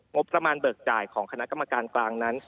งบประมาณเบิกจ่ายของคณะกรรมการกลางนั้น